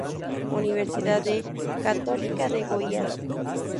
Universidade Católica de Goiás.